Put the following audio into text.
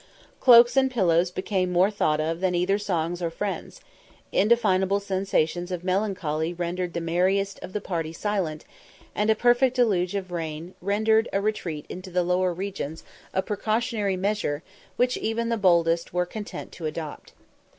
Cloaks and pillows became more thought of than either songs or friends; indefinable sensations of melancholy rendered the merriest of the party silent, and a perfect deluge of rain rendered a retreat into the lower regions a precautionary measure which even the boldest were content to adopt.